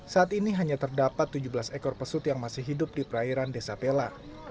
saat ini hanya terdapat tujuh belas ekor pesut yang masih hidup di perairan desa pela